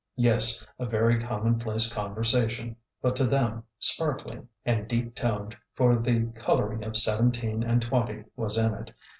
Yes, a very com monplace conversation ; but to them, sparkling and deep toned, for the coloring of seventeen and twenty was in it.